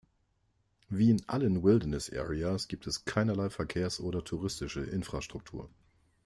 Wie in allen "Wilderness Areas" gibt es keinerlei Verkehrs- oder touristische Infrastruktur.